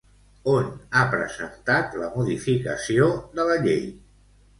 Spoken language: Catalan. On ha presentat la modificació de la llei?